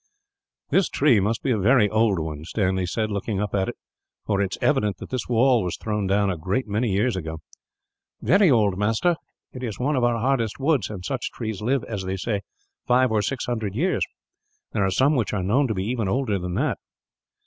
"This tree must be a very old one," Stanley said, looking up at it, "for it is evident that this wall was thrown down a great many years ago." "Very old, master. It is one of our hardest woods, and such trees live, they say, five or six hundred years. There are some which are known to be even older than that."